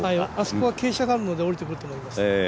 あそこは傾斜があるのでおりてくると思います。